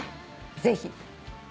ぜひ。